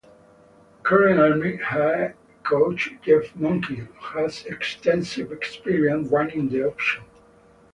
Current Army head coach Jeff Monken has extensive experience running the option.